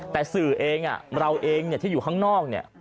แต่สื่อเองเราเองที่อยู่ข้างนอกเนี่ย